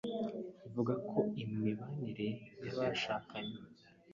bavuga ku imibanire y’abashakanye